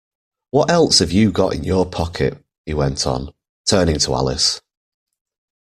‘What else have you got in your pocket?’ he went on, turning to Alice.